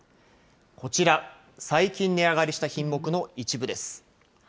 こちら、最近値上がりした品目の一部です。